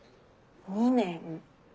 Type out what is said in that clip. ２年。